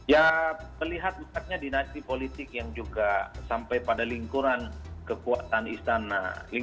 ya melihat banyaknya dinasti politik yang juga sampai pada lingkuran kekuatan istana